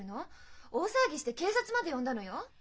大騒ぎして警察まで呼んだのよ！